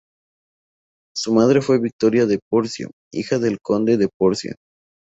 Su madre fue Victoria de Porcia, hija del conde de Porcia.